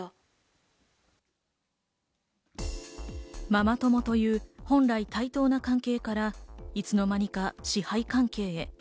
ママ友という本来、対等な関係からいつの間にか支配関係へ。